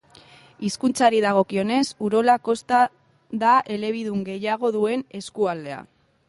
Hizkuntzari dagokionez, Urola Kosta da elebidun gehiago duen eskualdea.